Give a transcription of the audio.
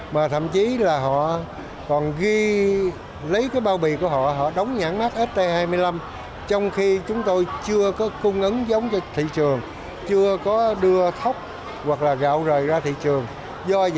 mà thậm chí là họ còn ghi lấy cái bao bì của họ